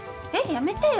やめてよ